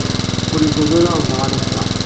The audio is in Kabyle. Ur izad ara uẓɣal ass-a.